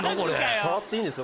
触っていいんですか？